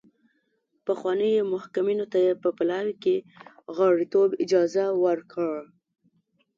پخوانیو محکومینو ته یې په پلاوي کې غړیتوب اجازه ورکړه.